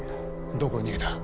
どこに逃げた？